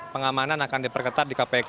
pengamanan akan diperketat di kpk